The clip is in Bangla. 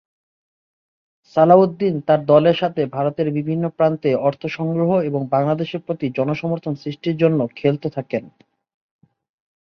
সালাউদ্দিন তার দলের সাথে ভারতের বিভিন্ন প্রান্তে অর্থ সংগ্রহ এবং বাংলাদেশের প্রতি জনসমর্থন সৃষ্টির জন্য খেলতে থাকেন।